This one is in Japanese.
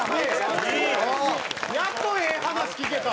やっとええ話聞けた！